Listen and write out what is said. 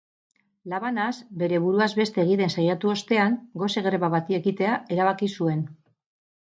Labanaz bere buruaz beste egiten saiatu ostean, gose-greba bati ekitea erabaki zuen.